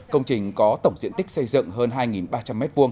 công trình có tổng diện tích xây dựng hơn hai ba trăm linh m hai